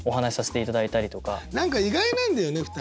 何か意外なんだよね２人。